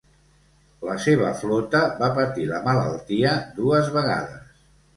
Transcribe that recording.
La seva flota va patir la malaltia dues vegades.